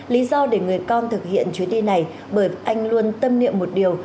lý do để người con thực hiện chuyến đi này bởi anh luôn tâm niệm một điều